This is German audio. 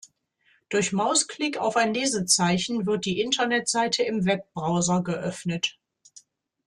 Durch Mausklick auf ein Lesezeichen wird die Internet-Seite im Webbrowser geöffnet.